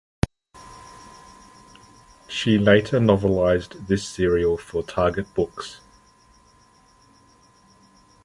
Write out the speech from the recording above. She later novelised this serial for Target Books.